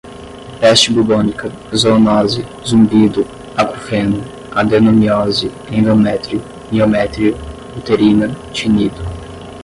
peste bubônica, zoonose, zumbido, acufeno, adenomiose, endométrio, miométrio, uterina, tinido